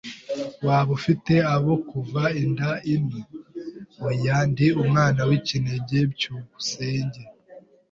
"Waba ufite abo muva inda imwe?" "Oya, ndi umwana w'ikinege." byukusenge